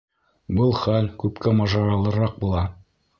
Был хәл күпкә мажаралыраҡ була.